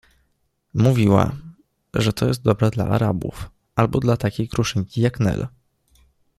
Mówiła, że to jest dobre dla Arabów albo dla takiej kruszynki jak Nel.